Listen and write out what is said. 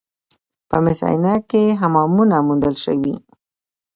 په مس عینک کې حمامونه موندل شوي